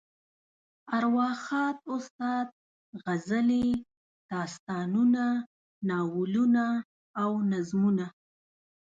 ارواښاد استاد غزلې، داستانونه، ناولونه او نظمونه.